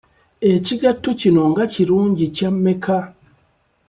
Ekigatto kino nga kirungi kya mmeka?